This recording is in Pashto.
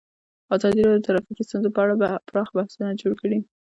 ازادي راډیو د ټرافیکي ستونزې په اړه پراخ بحثونه جوړ کړي.